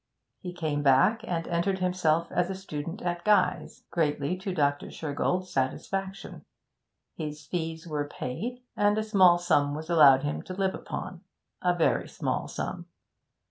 He came back and entered himself as a student at Guy's, greatly to Dr. Shergold's satisfaction. His fees were paid and a small sum was allowed him to live upon a very small sum.